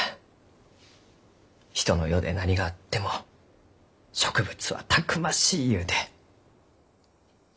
人の世で何があっても植物はたくましいゆうて。